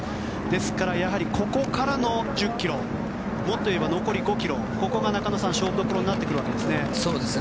ですから、やはりここからの１０ｋｍもっと言えば残り５ｋｍここが中野さん勝負どころになってきますね。